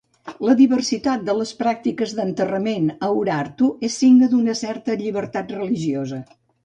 La diversitat de les pràctiques d'enterrament a Urartu és signe d'una certa llibertat religiosa.